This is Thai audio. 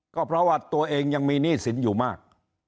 ก็เพราะว่าตัวเองยังมีหนี้สินอยู่มาก